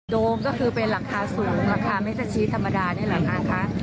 โดมก็คือเป็นหลังคาสูงหลังคาเมซเซอร์ชีสธรรมดานี่แหละค่ะ